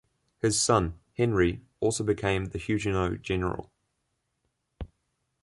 His son, Henri, also became a Huguenot general.